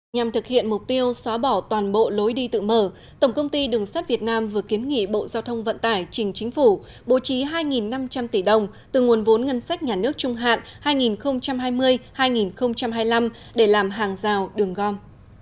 nhằm thực hiện mục tiêu xóa bỏ toàn bộ lối đi tự mở tổng công ty đường sắt việt nam vừa kiến nghị bộ giao thông vận tải trình chính phủ bố trí hai năm trăm linh tỷ đồng từ nguồn vốn ngân sách nhà nước trung hạn hai nghìn hai mươi hai nghìn hai mươi năm để làm hàng rào đường gom